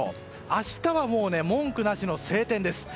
明日は文句なしの晴天です。